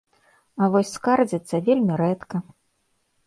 А вось скардзяцца вельмі рэдка.